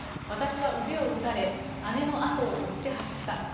私は腕を撃たれ姉のあとを追って走った。